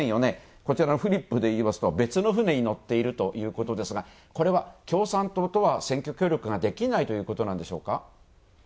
こちらのフリップでいいますと別の船に乗っているということですが、これは共産党とは選挙協力ができないということなんでしょうか？